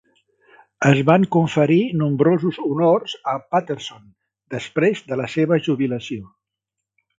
Es van conferir nombrosos honors a Patterson després de la seva jubilació.